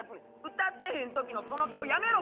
歌ってへん時のその顔やめろ！